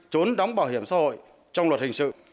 trốn đóng bảo hiểm xã hội trong luật hình sự